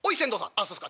あっそうっすか。